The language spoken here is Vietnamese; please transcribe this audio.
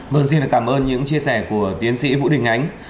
mời xin cảm ơn những chia sẻ của tiến sĩ vũ đình ánh